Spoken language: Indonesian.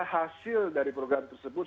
hasil dari program tersebut